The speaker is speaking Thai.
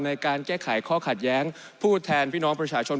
ในการแก้ไขข้อขัดแย้งผู้แทนพี่น้องประชาชน